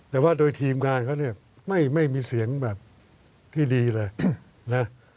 แต่ว่าโดยทีมงานเขาเนี่ยไม่มีเสียงแบบที่ดีเลยนะ